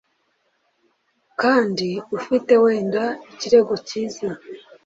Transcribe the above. Kandi ufite wenda ikirego cyiza